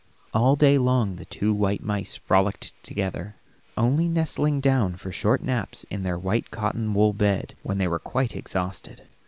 All day long the two white mice frolicked together, only nestling down for short naps in their white cotton wool bed when they were quite exhausted.